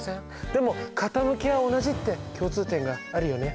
でも傾きは同じって共通点があるよね。